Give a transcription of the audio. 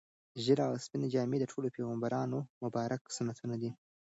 ږیره او سپینې جامې د ټولو پیغمبرانو مبارک سنتونه دي.